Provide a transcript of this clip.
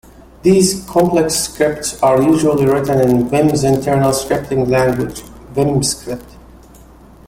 These complex scripts are usually written in Vim's internal scripting language, vimscript.